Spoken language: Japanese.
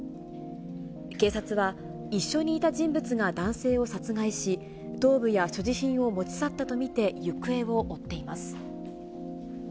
警察は、一緒にいた人物が男性を殺害し、頭部や所持品を持ち去ったと見て行方を追っています。